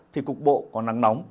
thì cục bộ còn nắng nóng